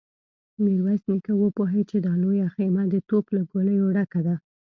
ميرويس نيکه وپوهيد چې دا لويه خيمه د توپ له ګوليو ډکه ده.